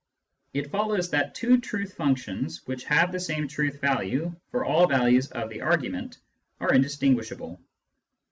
It follows that two truth functions which have the same truth value for all values of the argument are indis tinguishable.